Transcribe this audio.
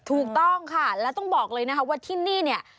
ถูกต้องค่ะแล้วต้องบอกเลยนะคะว่าที่นี่เนี่ย